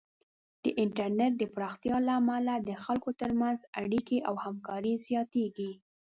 د انټرنیټ د پراختیا له امله د خلکو ترمنځ اړیکې او همکاري زیاتېږي.